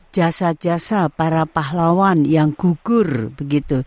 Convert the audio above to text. jasa jasa para pahlawan yang gugur begitu